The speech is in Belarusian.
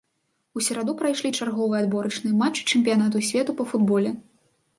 У сераду прайшлі чарговыя адборачныя матчы чэмпіянату свету па футболе.